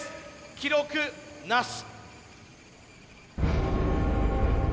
記録なし。